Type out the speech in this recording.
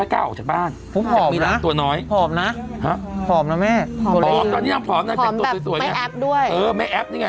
เขาเป็นคนเต็มที่อยู่แล้ว